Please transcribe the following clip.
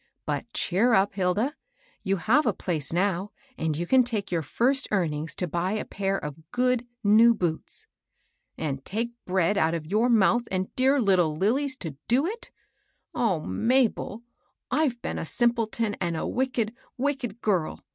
" But cheer up, Hilda. You have a place now, and you can take your first earnings to buy a pair of good, new boots." " And take bread out of your mouth and dear little Lilly's to do it I O Mabel ! I've been a simpleton and a wicked, wicked girl